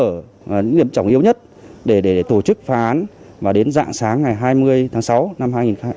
ở những điểm trọng yếu nhất để tổ chức phá án và đến dạng sáng ngày hai mươi tháng sáu năm hai nghìn hai mươi